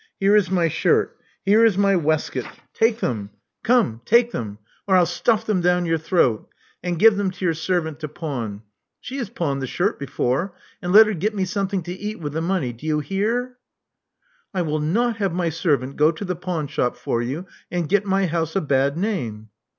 Here is my shirt. Here is my waistcoat. Take them — 86 Love Among the Artists come! take them, or I'll stuff them down your throat — and give them to your servant to pawn: she has pawned the shirt before; and let her get me some thing to eat with the money. Do you hear?" I will not have my servant go to the pawnshop for you, and get my house a bad name."